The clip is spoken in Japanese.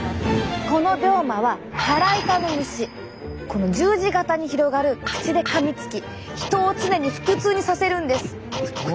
この病魔はこの十字形に広がる口でかみつき人を常に腹痛にさせるんです。